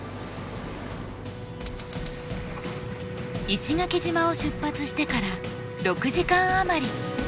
石垣島を出発してから６時間余り。